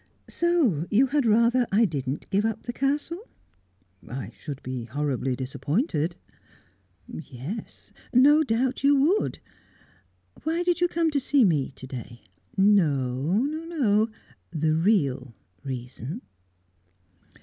"So you had rather I didn't give up the castle?" "I should be horribly disappointed." "Yes no doubt you would. Why did you come to see me to day? No, no, no! The real reason.